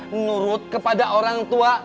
menurut kepada orang tua